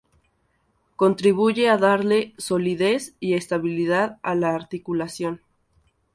Contribuye a darle solidez y estabilidad a la articulación.